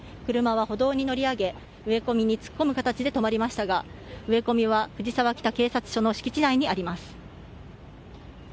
車は歩道に乗り上げ植え込みに突っ込む形で止まりましたが植え込みは藤沢北警察署の敷地内にあります。